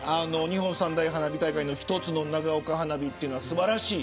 日本三大花火大会の１つの長岡花火は素晴らしい。